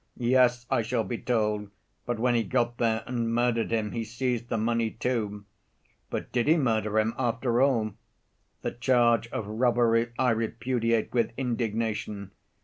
Yes! I shall be told, but when he got there and murdered him he seized the money, too. But did he murder him after all? The charge of robbery I repudiate with indignation.